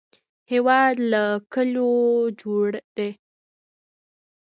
هېواد له کلیو جوړ دی